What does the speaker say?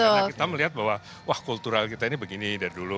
karena kita melihat bahwa wah kultural kita ini begini dari dulu